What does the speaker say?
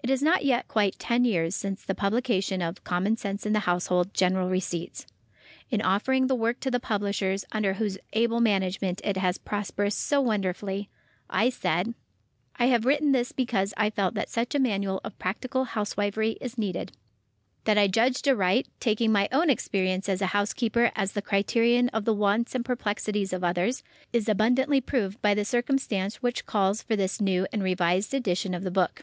It is not yet quite ten years since the publication of "COMMON SENSE IN THE HOUSEHOLD. GENERAL RECEIPTS." In offering the work to the publishers, under whose able management it has prospered so wonderfully, I said: "I have written this because I felt that such a Manual of Practical Housewifery is needed." That I judged aright, taking my own experience as a housekeeper as the criterion of the wants and perplexities of others, is abundantly proved by the circumstance which calls for this new and revised edition of the book.